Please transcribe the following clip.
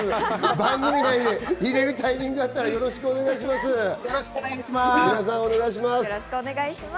番組内で言えるタイミングがあったらよろしくお願いします。